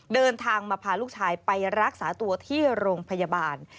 เดินทางมาพาลูกชายไปรักษาตัวที่โรงพยาบาล